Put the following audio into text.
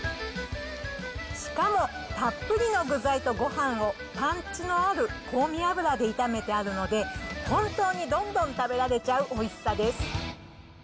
しかもたっぷりの具材とごはんを、パンチのある香味油で炒めてあるので、本当にどんどん食べられちゃうおいしさです。